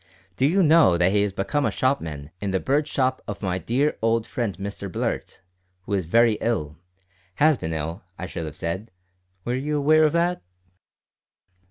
Do you know that he has become a shopman in the bird shop of my dear old friend Mr Blurt, who is very ill has been ill, I should have said, were you aware of that?"